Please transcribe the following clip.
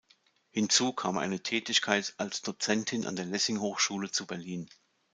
Hinzu kam eine Tätigkeit als Dozentin an der Lessing-Hochschule zu Berlin.